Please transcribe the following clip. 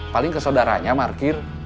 paling ke saudaranya markir